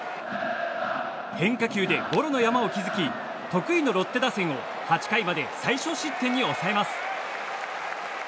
変化球でゴロの山を築き得意のロッテ打線を８回まで最少失点に抑えます。